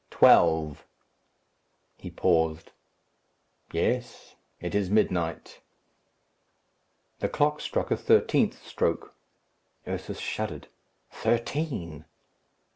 Twelve!" He paused. "Yes, it is midnight." The clock struck a thirteenth stroke. Ursus shuddered. "Thirteen!"